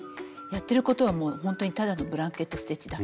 やってることはもうほんとにただのブランケット・ステッチだけです。